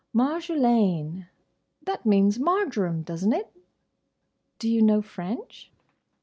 "Marjolaine—? That means Marjoram, does n't it?" "Do you know French?"